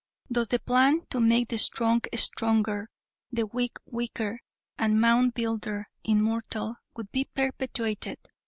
Thus the plan to make the strong stronger, the weak weaker, and Moundbuilder immortal, would be perpetuated.